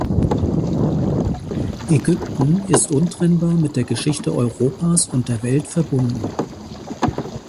Ägypten ist untrennbar mit der Geschichte Europas und der Welt verbunden.